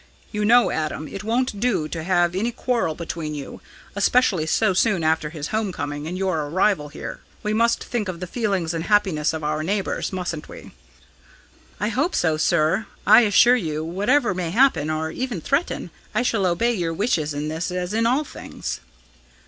"You know, Adam, it won't do to have any quarrel between you, especially so soon after his home coming and your arrival here. We must think of the feelings and happiness of our neighbours; mustn't we?" "I hope so, sir. I assure you that, whatever may happen, or even threaten, I shall obey your wishes in this as in all things."